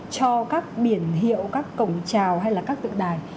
cho các biển hiệu các cổng trào hay là các tượng đài